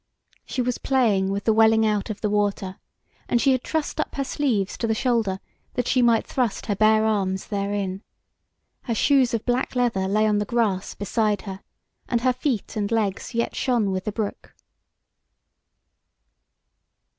She was playing with the welling out of the water, and she had trussed up her sleeves to the shoulder that she might thrust her bare arms therein. Her shoes of black leather lay on the grass beside her, and her feet and legs yet shone with the brook.